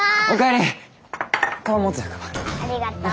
ありがとう。